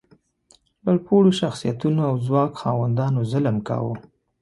لوړ پوړو شخصیتونو او ځواک خاوندانو ظلم کاوه.